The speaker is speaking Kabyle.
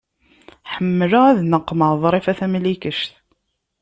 Ḥemmleɣ ad naqmeɣ Ḍrifa Tamlikect.